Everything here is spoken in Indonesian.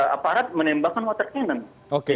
aparat menembakkan water cannon